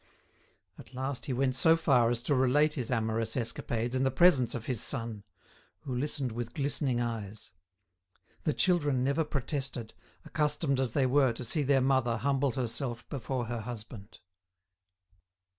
At last he went so far as to relate his amorous escapades in the presence of his son, who listened with glistening eyes. The children never protested, accustomed as they were to see their mother humble herself before her husband.